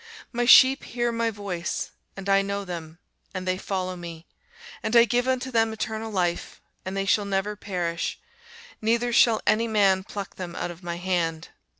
My sheep hear my voice, and I know them, and they follow me: and I give unto them eternal life; and they shall never perish, neither shall any man pluck them out of my hand.